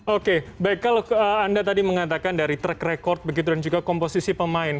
oke baik kalau anda tadi mengatakan dari track record begitu dan juga komposisi pemain